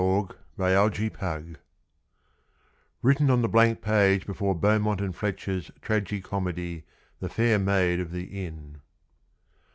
John Keats Ode [Written on the blank page before Beaumont and Fletcher's Tragi Comedy "The Fair Maid of the Inn."